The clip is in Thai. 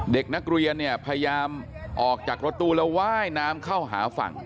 เด็กนักเรียนเนี่ยพยายามออกจากรถตู้แล้วว่ายน้ำเข้าหาฝั่ง